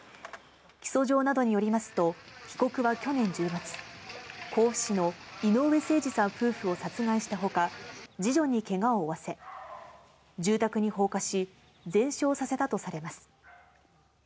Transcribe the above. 起訴状などによりますと、被告は去年１０月、甲府市の井上盛司さん夫婦を殺害したほか、次女にけがを負わせ、住宅に放火し、全焼させたとされます。